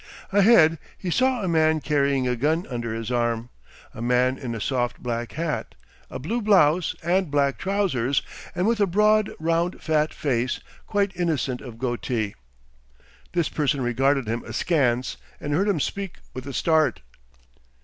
Ahead he saw a man carrying a gun under his arm, a man in a soft black hat, a blue blouse, and black trousers, and with a broad round fat face quite innocent of goatee. This person regarded him askance and heard him speak with a start.